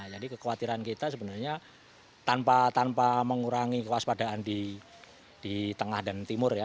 jadi kekhawatiran kita sebenarnya tanpa mengurangi kewaspadaan di tengah dan timur